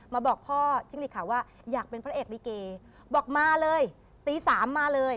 บอกพ่อจิ้งหลีกค่ะว่าอยากเป็นพระเอกลิเกบอกมาเลยตีสามมาเลย